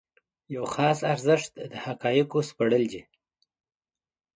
یو خاص ارزښت د حقایقو سپړل دي.